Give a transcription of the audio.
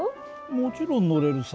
もちろん乗れるさ。